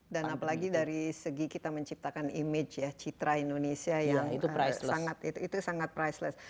dan apalagi dari segi kita menciptakan image ya citra indonesia yang sangat priceless